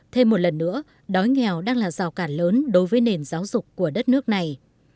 thêm một lần nữa đói nghèo đang là rào cản lớn đối với nền giáo dục của đất nước này